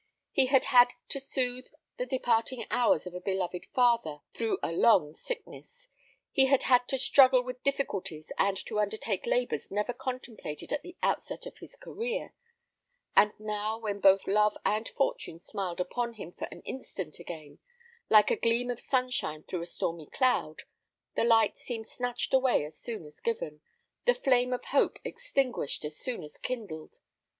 He had had to soothe the departing hours of a beloved father through a long sickness; he had had to struggle with difficulties and to undertake labours never contemplated at the outset of his career; and now, when both love and fortune smiled upon him for an instant again, like a gleam of sunshine through a stormy cloud, the light seemed snatched away as soon as given, the flame of hope extinguished as soon as kindled.